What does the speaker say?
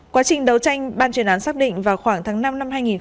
quá trình đấu tranh ban truyền án xác định vào khoảng tháng năm năm hai nghìn một mươi sáu